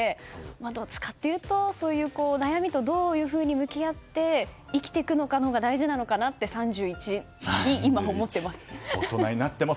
どっちかというと悩みとどういうふうに向き合って生きていくかのほうが大事なのかなと３１になった今思っています。